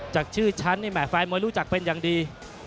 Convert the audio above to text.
จากชื่อชั้นแหม่ฟ้ายมวยรู้จักเป็นอย่างดี